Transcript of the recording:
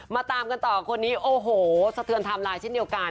ตามกันต่อคนนี้โอ้โหสะเทือนไทม์ไลน์เช่นเดียวกัน